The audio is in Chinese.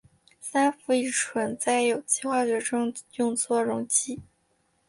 三氟乙醇在有机化学中用作溶剂。